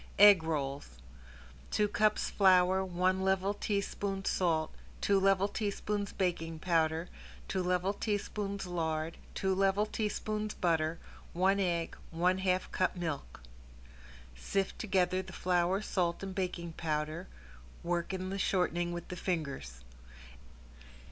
~EGG ROLLS~ Two cups flour, one level teaspoon salt, two level teaspoons baking powder, two level tablespoons lard, two level tablespoons butter, one egg, one half cup milk. Sift together the flour, salt, and baking powder, work in the shortening with the fingers.